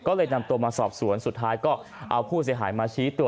ก็เลยนำตัวมาสอบสวนสุดท้ายก็เอาผู้เสียหายมาชี้ตัว